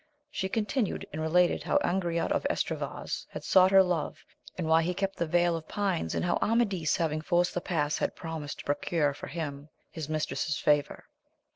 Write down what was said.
She con tinued, and related how Angriote of Estravaus had sought her love, and why he kept the vale of pines, and how Amadis, having forced the pass, had promised to procure for him his mistress's favour.